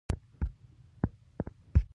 د کور په لیدو بوخت و، نجونې هم را وېښې شوې وې.